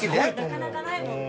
なかなかないもんね。